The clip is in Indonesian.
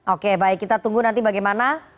oke baik kita tunggu nanti bagaimana